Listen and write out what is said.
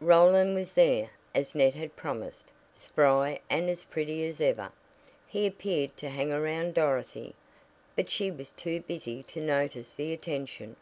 Roland was there, as Ned had promised, "spry and as pretty as ever." He appeared to "hang around Dorothy," but she was too busy to notice the attention.